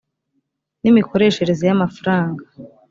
n imikoreshereze y amafaranga